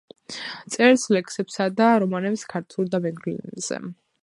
წერს ლექსებსა და რომანებს ქართულ და მეგრულ ენებზე.